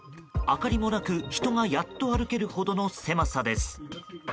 明かりもなく、人がやっと歩けるほどの狭さです。